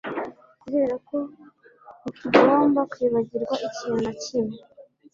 Kuberako ntitugomba kwibagirwa ikintu na kimwe